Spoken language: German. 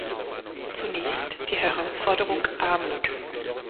Zunächst die Herausforderung Armut.